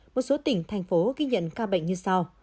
một số tỉnh thành phố ghi nhận ca bệnh như sau